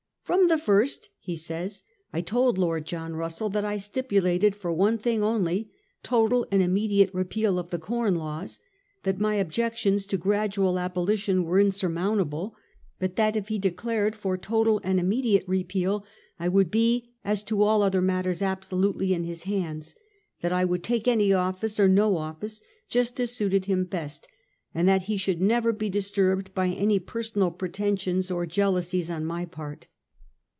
4 From the first,' he says, 4 1 told Lord John Russell that I stipulated for one thing only — total and imme diate repeal of the Com Laws ; that my objections to gradual abolition were insurmountable ; but that if he declared for total and immediate repeal I would be as to all other matters absolutely in his hands; that I would take any office, or no office, just as suited him best ; and that he should never be dis turbed by any personal pretensions or jealousies on my part.